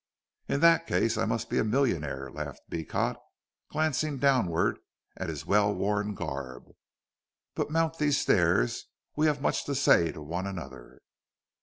"In that case I must be a millionaire," laughed Beecot, glancing downward at his well worn garb. "But mount these stairs; we have much to say to one another."